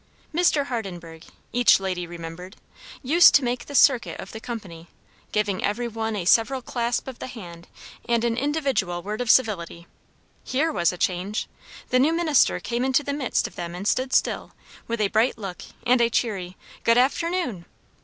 Mr. Hardenburgh, each lady remembered, used to make the circuit of the company, giving every one a several clasp of the hand and an individual word of civility. Here was a change! The new minister came into the midst of them and stood still, with a bright look and a cheery "Good afternoon!"